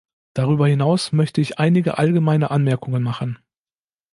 Darüber hinaus möchte ich einige allgemeine Anmerkungen machen.